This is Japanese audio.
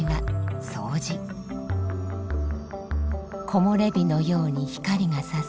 木もれ日のように光がさす